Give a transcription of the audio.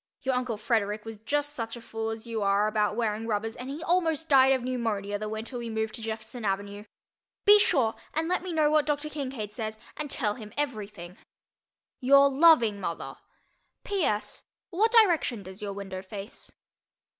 Your uncle Frederick was just such a fool as you are about wearing rubbers and he almost died of pneumonia the winter we moved to Jefferson Avenue. Be sure and let me know what Dr. Kincaid says and tell him everything. Your loving mother. P. S. What direction does your window face?